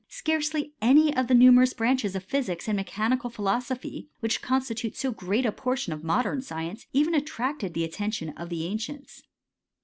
Scarcely any of the numerous branches of physics i mechanical philosophy, which constitute so gMd portion of modern science, even attracted the ait tion of the ancients.